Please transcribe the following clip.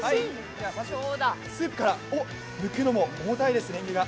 スープから抜くのも重たいです、れんげが。